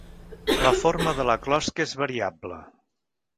La forma de la closca és variable.